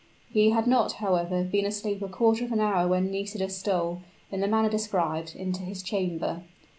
He had not, however, been asleep a quarter of an hour when Nisida stole, in the manner described, into his chamber.